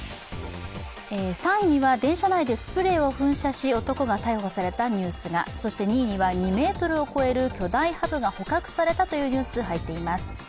３位には電車内でスプレーを噴射し男が逮捕されたニュースが、そして２位には２ｍを超える巨大ハブが捕獲されたというニュースが入っています。